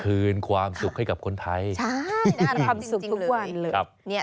เหมือนความสุขให้กับคนไทยน่ารักจริงเลยความสุขทุกวันเลย